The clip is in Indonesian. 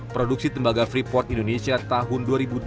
produksi tembaga freeport indonesia tahun dua ribu dua puluh